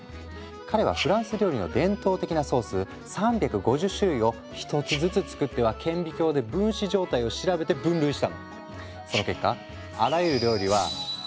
彼はフランス料理の伝統的なソース３５０種類を１つずつ作っては顕微鏡で分子状態を調べて分類したんだ。